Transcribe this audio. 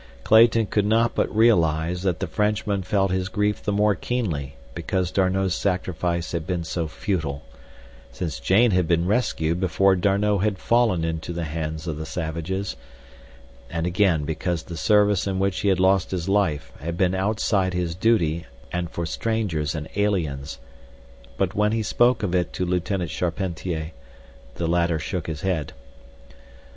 Clayton could not but realize that the Frenchman felt his grief the more keenly because D'Arnot's sacrifice had been so futile, since Jane had been rescued before D'Arnot had fallen into the hands of the savages, and again because the service in which he had lost his life had been outside his duty and for strangers and aliens; but when he spoke of it to Lieutenant Charpentier, the latter shook his head.